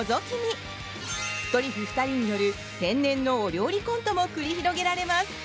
２人による天然のお料理コントも繰り広げられます。